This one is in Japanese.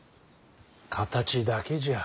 形だけじゃ。